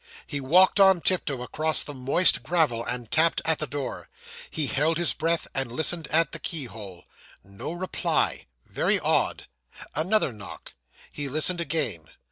He walked on tiptoe across the moist gravel, and tapped at the door. He held his breath, and listened at the key hole. No reply: very odd. Another knock. He listened again.